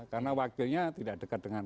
karena wakilnya tidak dekat dengan